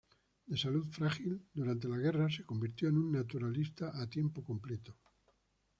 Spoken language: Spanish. De salud frágil, durante la guerra, se convirtió en un naturalista a tiempo completo.